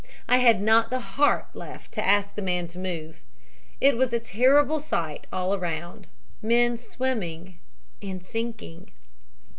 I had not the heart left to ask the man to move. It was a terrible sight all around men swimming and sinking.